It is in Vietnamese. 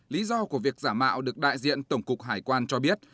lý do của việc giả mạo được đại diện tổng cục hải quan cho biết